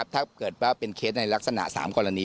ถ้าเกิดว่าเป็นเคสในลักษณะ๓กรณี